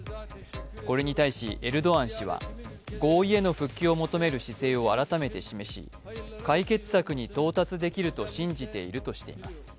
これに対し、エルドアン氏は合意への復帰を求める姿勢を改めて示し、解決策に到達できると信じているとしています。